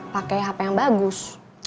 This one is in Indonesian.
pakai hp yang bagus